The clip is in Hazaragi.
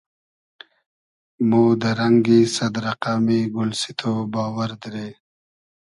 مۉ دۂ رئنگی سئد رئقئمی گولسیتۉ باوئر دیرې